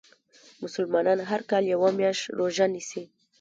مسلمانان هر کال یوه میاشت روژه نیسي .